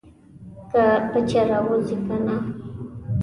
که پچه راوځي کنه.